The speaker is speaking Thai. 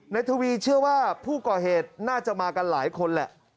ทวีเชื่อว่าผู้ก่อเหตุน่าจะมากันหลายคนแหละ